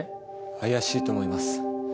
怪しいと思います。